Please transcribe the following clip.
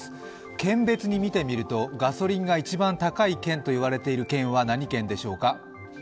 県別に見てみるとガソリンが一番高い県といわれている県は何県でしょうか。